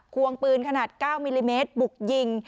ควงปืนขนาด๙มิลลิเมตรบุกยิง